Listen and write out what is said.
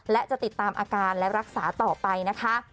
และจะติดตามอาการและรักษาต่อไปนะคะ